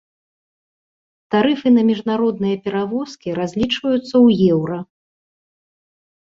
Тарыфы на міжнародныя перавозкі разлічваюцца ў еўра.